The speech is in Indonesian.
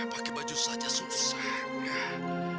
pakai baju saja susah